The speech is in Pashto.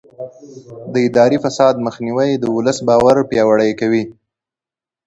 د اداري فساد مخنیوی د ولس باور پیاوړی کوي.